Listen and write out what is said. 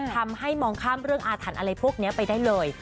ทำให้มองข้ามเรื่องอาถรรพ์อะไรพวกนี้ไปได้เลย